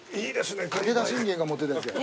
武田信玄が持ってたやつや。